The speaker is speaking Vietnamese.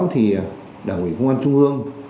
thì đảng ủy công an trung ương